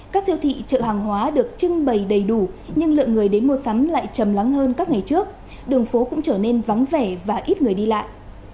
các siêu thị chợ hàng hóa được trưng bày đầy đủ nhưng lượng người đến mua sắm lại chầm lắng hơn các ngày trước đường phố cũng trở nên vắng vẻ và ít người đi lại